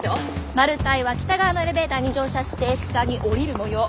マルタイは北側のエレベーターに乗車して下に降りるもよう。